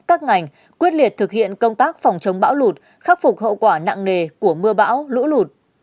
các ngành quyết liệt thực hiện công tác phòng chống bão lụt khắc phục hậu quả nặng nề của mưa bão lũ lụt